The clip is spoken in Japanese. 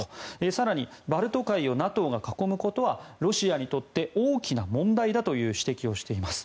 更にバルト海をＮＡＴＯが囲むことはロシアにとって大きな問題だという指摘をしています。